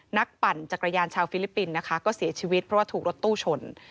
ปั่นจักรยานชาวฟิลิปปินส์นะคะก็เสียชีวิตเพราะว่าถูกรถตู้ชน